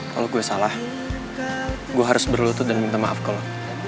kalau gue salah gue harus berlutut dan minta maaf kalau